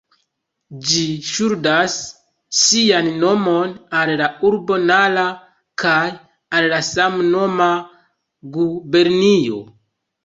Ĝi ŝuldas sian nomon al la urbo Nara kaj al la samnoma gubernio.